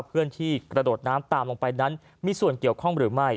เพื่อนที่กระโดดน้ำตามลงไปนั้นมีส่วนเกี่ยวข้องหรือไม่